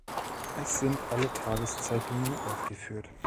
Es sind alle Tageszeitungen aufgeführt.